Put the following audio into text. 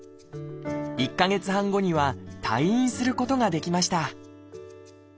１か月半後には退院することができました。